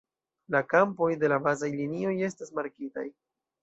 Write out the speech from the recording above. La kampoj de la bazaj linioj estas markitaj.